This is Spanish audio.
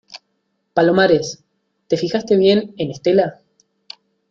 palomares, ¿ te fijaste bien en Estela?